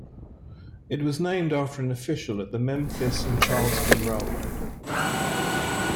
It was named after an official at the Memphis and Charleston Railroad.